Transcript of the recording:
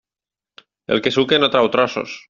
El que suca no trau trossos.